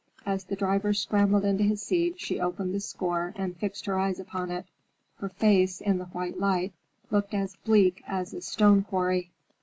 As the driver scrambled into his seat she opened the score and fixed her eyes upon it. Her face, in the white light, looked as bleak as a stone quarry.